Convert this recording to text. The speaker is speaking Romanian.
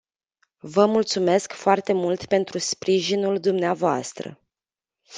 Vă mulțumesc foarte mult pentru sprijinul dvs.